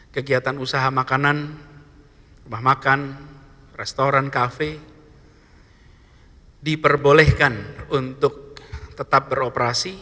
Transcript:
kegiatan usaha makanan rumah makan restoran kafe diperbolehkan untuk tetap beroperasi